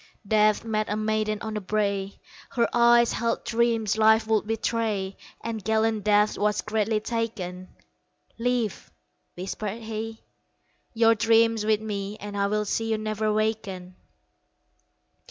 Death met a maiden on the brae, Her eyes held dreams life would betray, And gallant Death was greatly taken "Leave," whispered he, "Your dream with me And I will see you never waken."